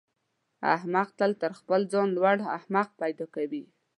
احمق تل تر خپل ځان لوی احمق پیدا کوي.